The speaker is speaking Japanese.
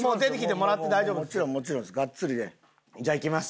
もちろんです。